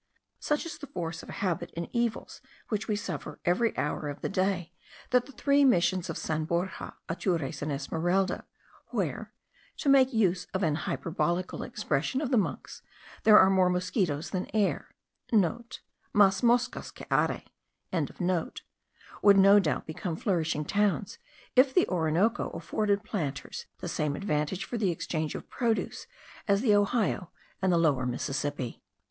Such is the force of habit in evils which we suffer every hour of the day, that the three missions of San Borja, Atures, and Esmeralda, where, to make use of an hyperbolical expression of the monks, there are more mosquitos than air,* (* Mas moscas que aire.) would no doubt become flourishing towns, if the Orinoco afforded planters the same advantages for the exchange of produce, as the Ohio and the Lower Mississippi.